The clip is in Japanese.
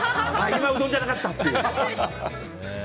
今、うどんじゃなかったっていう。